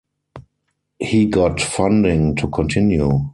He got funding to continue.